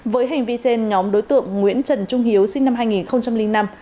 với hành vi trên nhóm đối tượng nguyễn trần trung hiếu sinh năm hai nghìn năm